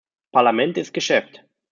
Parlament ist Geschäft.